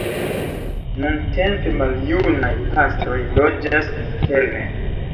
Nuntempe maljunaj pastroj loĝas interne.